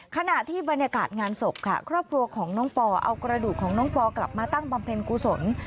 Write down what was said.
ขณะที่บรรยากาศงานศพค่ะครอบครัวของน้องปอเอากระดูกของน้องปอกลับมาตั้งบำเพ็ญกุศล